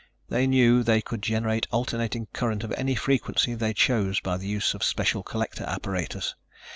They knew they could generate alternating current of any frequency they chose by use of a special collector apparatus.